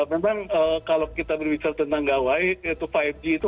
memang kalau kita berbicara tentang gawai yaitu lima g itu